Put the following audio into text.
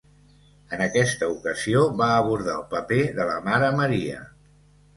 En aquesta ocasió va abordar el paper de la mare Maria.